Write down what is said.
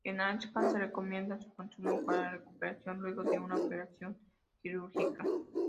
En Áncash, se recomienda su consumo para la recuperación luego de una operación quirúrgica.